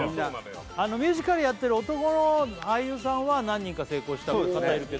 ミュージカルやってる男の俳優さんは何人か成功した方いるけどそうですね